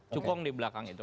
cukung di belakang itu